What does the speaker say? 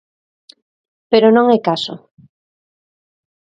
Pero non é caso.